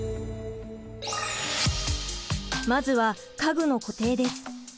まずは家具の固定です。